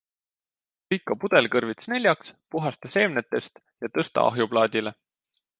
Lõika pudelkõrvits neljaks, puhasta seemnetest ja tõsta ahjuplaadile.